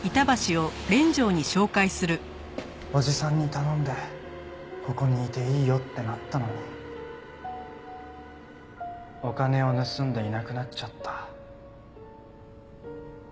叔父さんに頼んでここにいていいよってなったのにお金を盗んでいなくなっちゃった。